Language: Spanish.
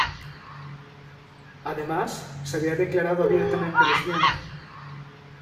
Además se había declarado abiertamente lesbiana.